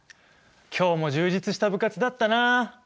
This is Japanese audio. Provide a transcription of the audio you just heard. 今日も充実した部活だったなあ。